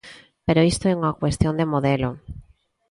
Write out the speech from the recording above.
Pero isto é unha cuestión de modelo.